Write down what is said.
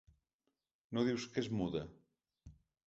No dius que és muda?